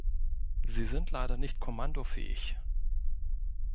Sie sind leider nicht kommandofähig.